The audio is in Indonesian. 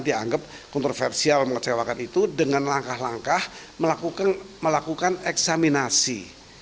dianggap kontroversial mengecewakan itu dengan langkah langkah melakukan eksaminasi